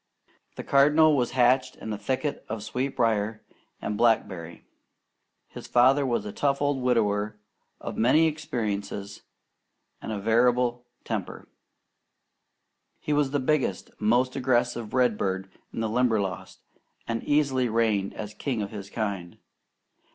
The Cardinal was hatched in a thicket of sweetbrier and blackberry. His father was a tough old widower of many experiences and variable temper. He was the biggest, most aggressive redbird in the Limberlost, and easily reigned king of his kind.